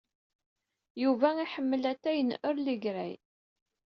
Yuba iḥemmel atay n Early Grey?